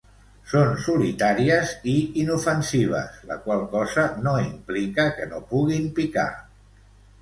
Són solitàries i inofensives, la qual cosa no implica que no puguin picar.